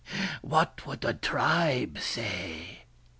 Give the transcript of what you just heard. what would the tribe say